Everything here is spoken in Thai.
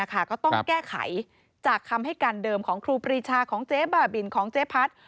ก็ต้องแก้ไขจากคำให้การเดิมของครูปรีชาของเจ๊บ้าบินของเจ๊พัด